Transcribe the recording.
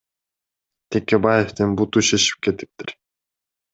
Текебаевдин буту шишип кетиптир.